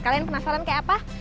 kalian penasaran kayak apa